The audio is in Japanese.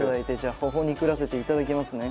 ほほ肉らせていただきますね。